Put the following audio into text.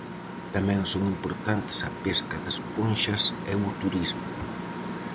Tamén son importantes a pesca de esponxas e o turismo.